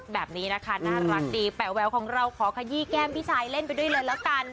แบบนี้นะคะน่ารักดีแป๋วของเราขอขยี้แก้มพี่ชายเล่นไปด้วยเลยแล้วกัน